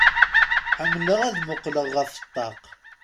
Ḥemmleɣ ad muqqleɣ ɣef ṭṭaq.